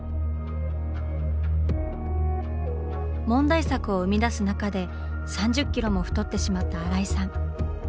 問題作を生み出す中で３０キロも太ってしまった新井さん。